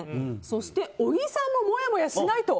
そして、小木さんももやもやしないと。